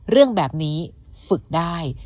เรื่องแบบนี้ฝึกได้